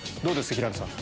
平野さん。